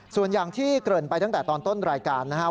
ส่วนอย่างที่เกริ่นไปตั้งแต่ตอนต้นรายการนะครับ